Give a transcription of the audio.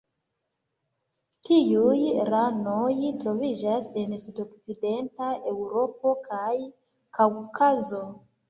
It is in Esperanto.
Tiuj ranoj troviĝas en sudokcidenta Eŭropo kaj Kaŭkazo.